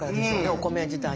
お米自体の。